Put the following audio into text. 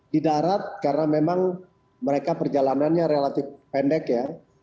di darat karena memang mereka perjalanannya relatif pendek ya